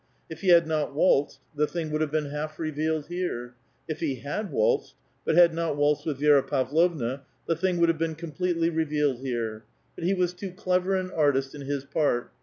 If he had not waltzed, the thing would have been half revealed here. If he had waltzed, but had not waltzed with Vi^ra Pavlovna, the^iiing would have been completely revealed here. But he was too clever an artist in his part.